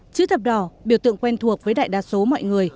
chữ thập đỏ biểu tượng quen thuộc với đại đa số mọi người